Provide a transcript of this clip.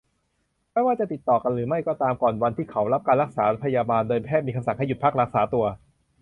ไม่ว่าจะติดต่อกันหรือไม่ก็ตาม ก่อนวันที่เข้ารับการรักษาพยาบาล โดยแพทย์มีคำสั่งให้หยุดพักรักษาตัว